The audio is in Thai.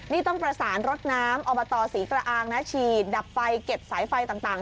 นี่ต้องประสานรถน้ำอบตศรีกระอางนะฉีดดับไฟเก็บสายไฟต่าง